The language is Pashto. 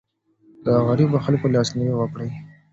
د غريبو خلګو لاسنيوی وکړئ.